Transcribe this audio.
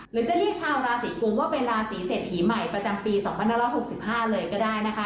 หรือจะเรียกชาวราศีกุมว่าเป็นราศีเศรษฐีใหม่ประจำปี๒๕๖๕เลยก็ได้นะคะ